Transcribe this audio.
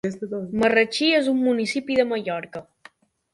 Marratxí és un municipi de Mallorca.